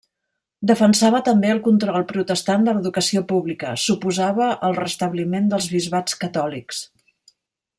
Defensava també el control protestant de l'educació pública, s'oposava al restabliment dels bisbats catòlics.